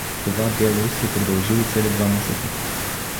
Това дело се продължило цели два месеца.